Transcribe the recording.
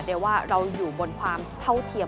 ได้ว่าเราอยู่บนความเท่าเทียม